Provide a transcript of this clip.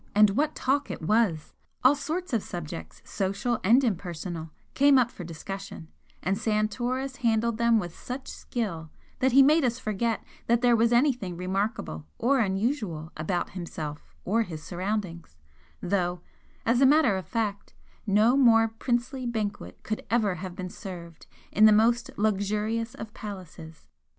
And what talk it was! all sorts of subjects, social and impersonal, came up for discussion, and Santoris handled them with such skill that he made us forget that there was anything remarkable or unusual about himself or his surroundings, though, as a matter of fact, no more princely banquet could ever have been served in the most luxurious of palaces.